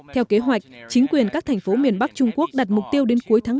theo kế hoạch chính quyền các thành phố miền bắc trung quốc đặt mục tiêu đến cuối tháng bốn